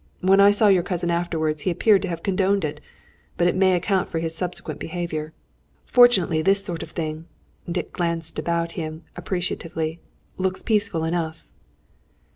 When I saw your cousin afterwards he appeared to have condoned it. But it may account for his subsequent behaviour. Fortunately this sort of thing " Dick glanced about him appreciatively "looks peaceful enough."